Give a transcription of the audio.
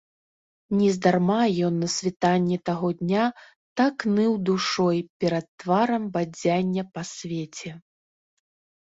Нездарма ён на світанні таго дня так ныў душой перад тварам бадзяння па свеце.